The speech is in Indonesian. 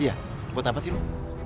iya buat apa sih bu